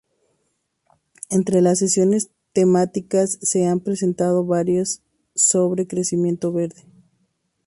Entre las sesiones temáticas se han presentado varias sobre crecimiento verde.